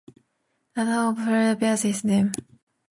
The town of Fitzwilliam also bears his name.